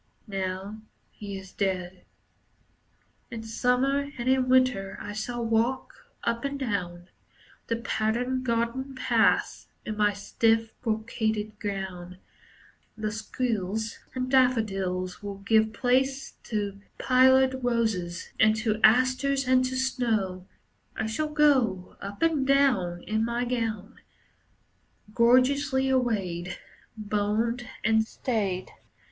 Now he is dead. In Summer and in Winter I shall walk Up and down The patterned garden paths In my stiff, brocaded gown. The squills and daffodils Will give place to pillared roses, and to asters, and to snow. I shall go Up and down, In my gown. Gorgeously arrayed, Boned and stayed.